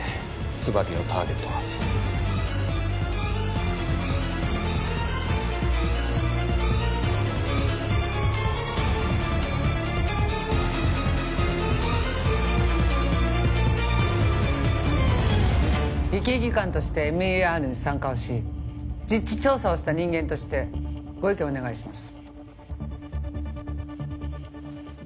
椿のターゲットは医系技官としてＭＥＲに参加をし実地調査をした人間としてご意見をお願いします